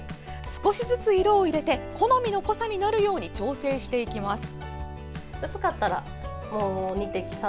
少しずつ色を入れて好みの濃さになるように調整していきます。